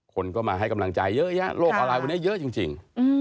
คนก็มาให้กำลังใจเยอะแยะโลกออนไลน์วันนี้เยอะจริง